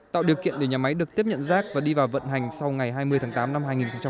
tạo điều kiện để nhà máy được tiếp nhận rác và đi vào vận hành sau ngày hai mươi tháng tám năm hai nghìn hai mươi